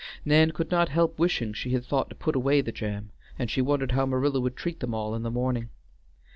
Nan could not help wishing she had thought to put away the jam, and she wondered how Marilla would treat them all in the morning.